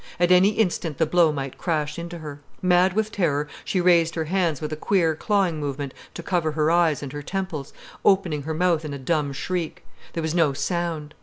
At any instant the blow might crash into her. Mad with terror, she raised her hands with a queer clawing movement to cover her eyes and her temples, opening her mouth in a dumb shriek. There was no sound.